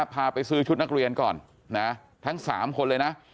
พาไปซื้อชุดนักเรียนก่อนนะทั้ง๓คนเลยนะ